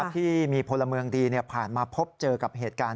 ที่มีพลเมืองดีผ่านมาพบเจอกับเหตุการณ์